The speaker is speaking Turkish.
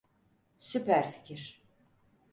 Süper fikir.